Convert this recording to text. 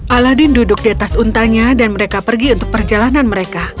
aladin duduk di atas untanya dan mereka pergi untuk perjalanan mereka